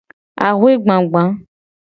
Axwe gbagba.